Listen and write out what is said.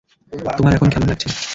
তোমার এখন কেমন লাগছে?